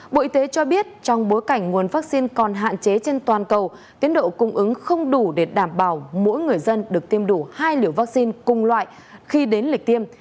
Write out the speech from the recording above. bộ y tế cho biết trong bối cảnh nguồn vaccine còn hạn chế trên toàn cầu tiến độ cung ứng không đủ để đảm bảo mỗi người dân được tiêm đủ hai liều vaccine cùng loại khi đến lịch tiêm